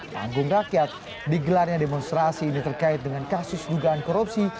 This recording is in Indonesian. panggung rakyat digelarnya demonstrasi ini terkait dengan kasus dugaan korupsi